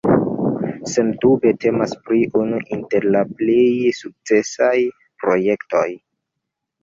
Sendube temas pri unu inter la plej sukcesaj projektoj.